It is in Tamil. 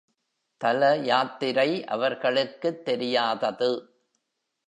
தல யாத்திரை அவர்களுக்குத் தெரியாதது.